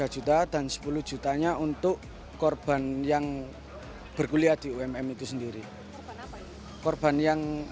tiga juta dan sepuluh jutanya untuk korban yang berkuliah di umm itu sendiri korban yang